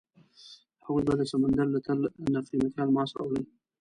هغوی به د سمندر له تل نه قیمتي الماس راوړل.